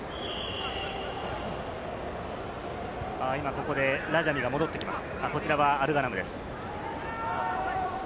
ここでラジャミが戻ってきます。